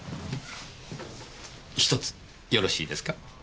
１つよろしいですか？